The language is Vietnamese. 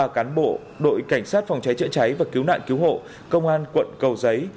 ba cán bộ đội cảnh sát phòng cháy chữa cháy và cứu nạn cứu hộ công an quận cầu giấy